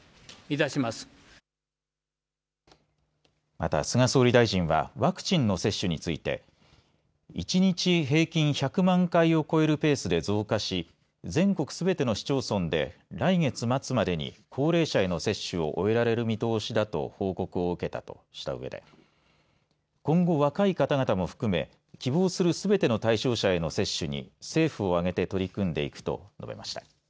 また菅総理大臣はワクチンの接種について１日平均１００万回を超えるペースで増加し、全国すべての市町村で来月末までに高齢者への接種を終えられる見通しだと報告を受けたとしたうえで今後、若い方々も含め希望するすべての対象者への接種に政府をあげて取り組んでいくと述べました。